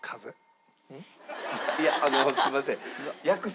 いやあのすみません。